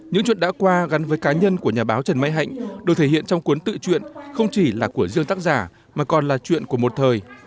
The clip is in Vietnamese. những chuyện đã qua gắn với cá nhân của nhà báo trần mai hạnh được thể hiện trong cuốn tự chuyện không chỉ là của riêng tác giả mà còn là chuyện của một thời